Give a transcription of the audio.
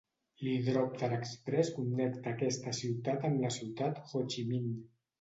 L'hidròpter exprés connecta aquesta ciutat amb la Ciutat Ho Chi Minh.